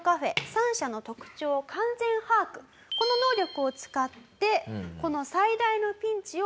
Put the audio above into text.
この能力を使ってこの最大のピンチを乗り越えると。